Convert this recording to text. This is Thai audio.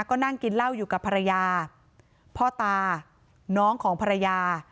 ก็นั่งกินเหล้าอยู่กับภรรยาพ่อตาน้องของภรรยา